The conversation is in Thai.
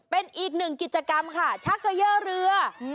เป็นอีกหนึ่งกิจกรรมค่ะชักเกย่อเรือ